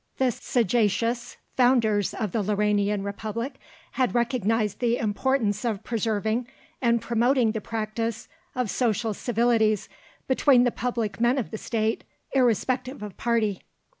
The sagacious founders of the Lauranian Republic had recognised the importance of preserving and promoting the practice of social civilities between the public men of the State, irrespective of party.